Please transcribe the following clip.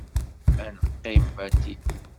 Ad neqqim bati.